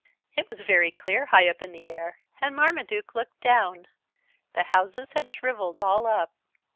It was very clear high up in the air, and Marmaduke looked down. The houses had shrivelled all up.